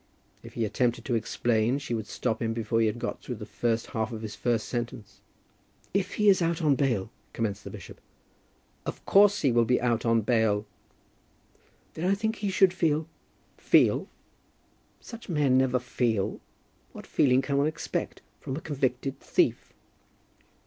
If he attempted to explain, she would stop him before he had got through the first half of his first sentence. "If he is out on bail ," commenced the bishop. "Of course he will be out on bail." "Then I think he should feel " "Feel! such men never feel! What feeling can one expect from a convicted thief?"